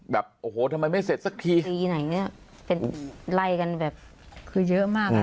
แบบโอ้โหทำไมไม่เสร็จสักทีทีไหนเนี้ยเป็นไล่กันแบบคือเยอะมากอ่ะ